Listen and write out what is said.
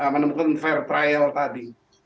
menemukan fair trial tadi